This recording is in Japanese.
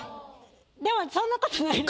でもそんなことないです。